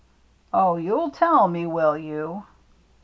« Oh, you'll tell me, will you